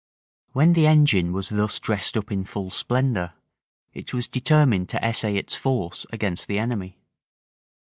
When the engine was thus dressed up in full splendor, it was determined to essay its force against the enemy.